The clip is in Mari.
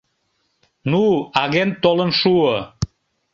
Ну, агент толын шуо.